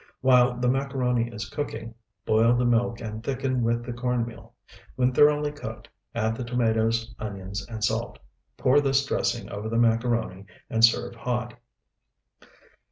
While the macaroni is cooking, boil the milk and thicken with the corn meal. When thoroughly cooked, add the tomatoes, onions, and salt. Pour this dressing over the macaroni, and serve hot.